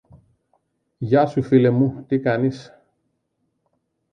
Γεια σου, φίλε μου, τι κάνεις;